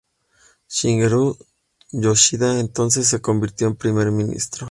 Shigeru Yoshida entonces se convirtió en primer ministro.